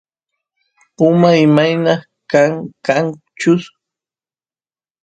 puma imayna kanchus